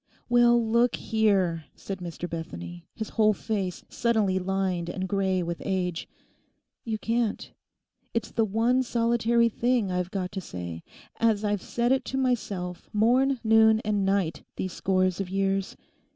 'Well, look here,' said Mr Bethany, his whole face suddenly lined and grey with age. 'You can't. It's the one solitary thing I've got to say, as I've said it to myself morn, noon, and night these scores of years.